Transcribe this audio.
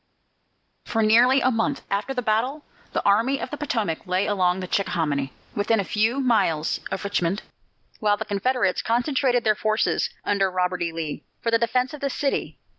For nearly a month after this battle, the Army of the Potomac lay along the Chickahominy, within a few miles of Richmond, while the Confederates concentrated their forces, under Robert E. Lee, for the defence of the city.